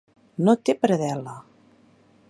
No té predel·la.